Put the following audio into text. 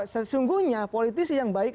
sesungguhnya politisi yang baik